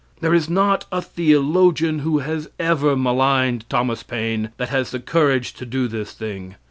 There is not a theologian who has ever maligned Thomas Paine that has the courage to do this thing.